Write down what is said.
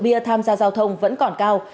bia tham gia giao thông vẫn còn cao